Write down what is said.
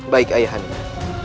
baik ayah hanya